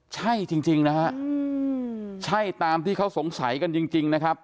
ใช่จริงนะฮะใช่ตามที่เขาสงสัยกันจริงนะครับ